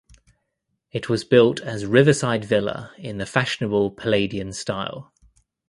It was built as riverside villa in the fashionable Palladian style.